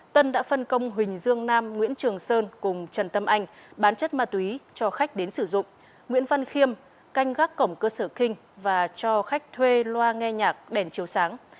tân đã phân công huỳnh dương nam nguyễn trường sơn cùng trần tâm anh bán chất ma túy cho khách đến sử dụng nguyễn văn khiêm canh gác cổng cơ sở kinh và cho khách thuê loa nghe nhạc đèn chiếu sáng